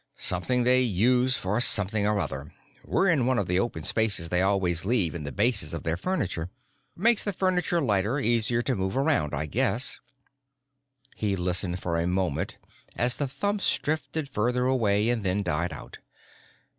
Something they use for something or other. We're in one of the open spaces they always leave in the bases of their furniture. Makes the furniture lighter, easier to move around, I guess." He listened for a moment as the thumps drifted further away and then died out.